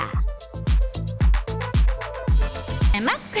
tidak lupa disiapkan juga udang dan odeng andalan korea